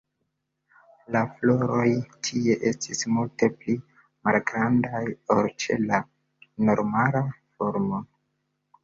La floroj tie estis multe pli malgrandaj ol ĉe la normala formo.